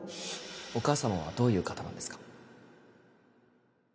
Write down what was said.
お母様はどういう方なんですか？